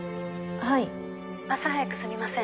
はい☎朝早くすみません